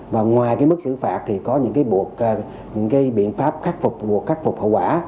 và ngoài mức xử phạt thì có những biện pháp khắc phục hậu quả